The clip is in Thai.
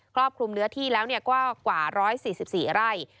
รอบคลุมเนื้อที่แล้วก็กว่า๑๔๔ไร่